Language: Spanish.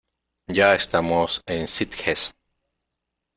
Ya estamos en Sitges.